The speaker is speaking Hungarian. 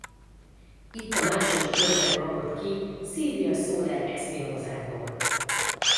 Itt a második körben kapott ki Silvia Soler-Espinosától.